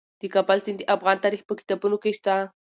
د کابل سیند د افغان تاریخ په کتابونو کې شته.